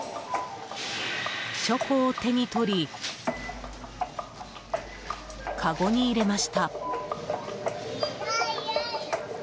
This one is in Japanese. チョコを手に取りかごに入れました。